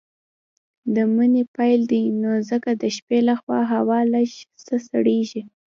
د مني پيل دی نو ځکه د شپې لخوا هوا لږ څه سړييږي.